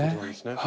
はい。